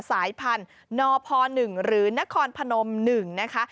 สายพันธุ์นพ๑หรือนครพนม๑นะคะ